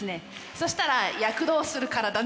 そしたら「躍動する体」ね。